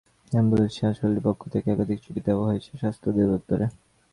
Ambulance চেয়ে হাসপাতালটির পক্ষ থেকে একাধিক চিঠি দেওয়া হয়েছে স্বাস্থ্য অধিদপ্তরে।